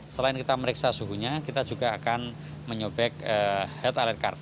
selain kita meriksa suhunya kita juga akan menyobek head alert card